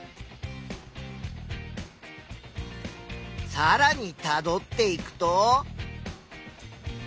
さらにたどっていくと？